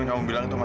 kan bapak udah tua